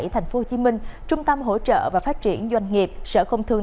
thành phố hồ chí minh trung tâm hỗ trợ và phát triển doanh nghiệp sở không thương